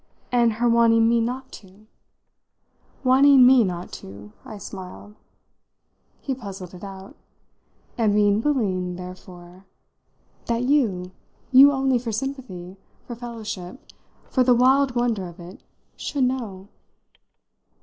"And her wanting me not to?" "Wanting me not to," I smiled. He puzzled it out. "And being willing, therefore " "That you you only, for sympathy, for fellowship, for the wild wonder of it should know?